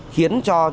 khiến cho những cái